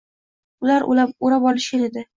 Ular o‘rab olishgan edi.